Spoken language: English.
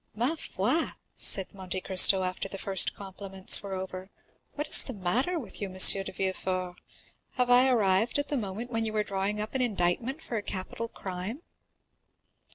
"Ma foi!" said Monte Cristo, after the first compliments were over, "what is the matter with you, M. de Villefort? Have I arrived at the moment when you were drawing up an indictment for a capital crime?"